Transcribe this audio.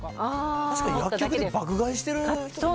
確かに薬局で爆買いしてる人多いね。